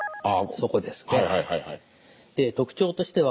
そこですね。